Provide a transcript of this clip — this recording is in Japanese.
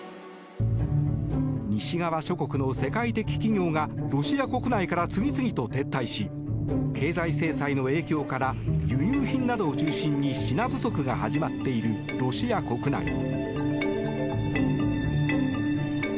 西側諸国の世界的企業がロシア国内から次々と撤退し経済制裁の影響から輸入品などを中心に品不足が始まっているロシア国内。